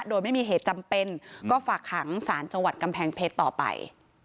โดยไม่มีเหตุจำเป็นก็ฝากขังสารจังหวัดกำแพงเพชรต่อไป